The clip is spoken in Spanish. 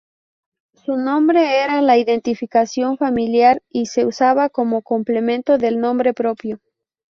Su nombre era la identificación familiar y se usaba como complemento del nombre propio.